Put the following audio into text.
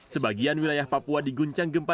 sebagian wilayah papua diguncang gempa